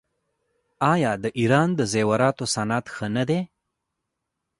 آیا د ایران د زیوراتو صنعت ښه نه دی؟